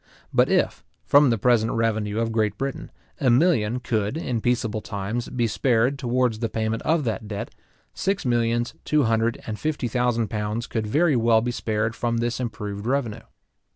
But if, from the present revenue of Great Britain, a million could, in peaceable times, be spared towards the payment of that debt, six millions two hundred and fifty thousand pounds could very well be spared from this improved revenue.